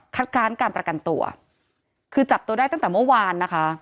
ค้านการประกันตัวคือจับตัวได้ตั้งแต่เมื่อวานนะคะ